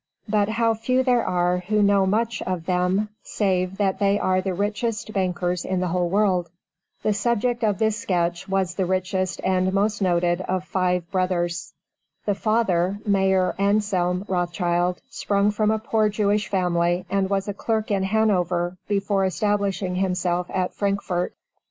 But how few there are who know much of them save that they are the richest bankers in the whole world. The subject of this sketch was the richest and most noted of five brothers. The father, Mayer Anselm Rothschild, sprung from a poor Jewish family, and was a clerk in Hanover before establishing himself at Frankfort.